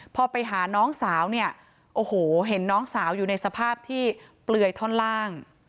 พอไปหาน้องสาวเนี่ยโอ้โหเห็นน้องสาวอยู่ในสภาพที่เปลือยท่อนล่าง